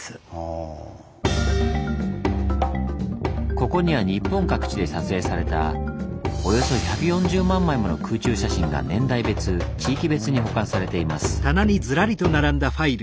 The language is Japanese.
ここには日本各地で撮影されたおよそ１４０万枚もの空中写真が年代別地域別に保管されています。